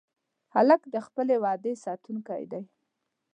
هلک د خپلې وعدې ساتونکی دی.